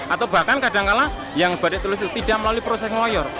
atau bahkan kadangkala yang batik tulis itu tidak melalui proses ngoyor